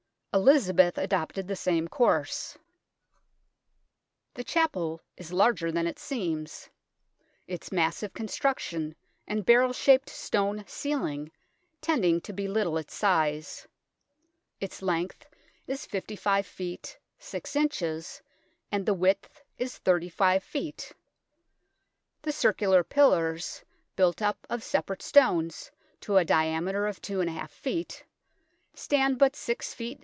Elizabeth adopted the same course. 138 THE TOWER OF LONDON The chapel is larger than it seems, its massive construction and barrel shaped stone ceiling tending to belittle its size. Its length is 55 ft. 6 in., and the width is 35 ft. The circular pillars, built up of separate stones to a diameter of two and a half feet, stand but 6 ft.